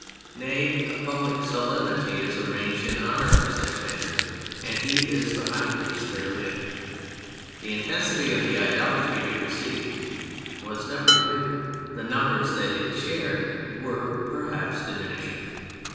Nay, a public solemnity is arranged in honour of such matters, and he is the high priest therein. The intensity of the idolatry he received was never greater; the numbers that shared it were, perhaps, diminishing.